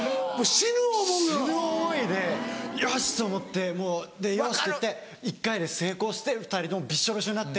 死ぬ思いでよし！と思ってもうよしって言って１回で成功して２人ともびっしょびしょになって。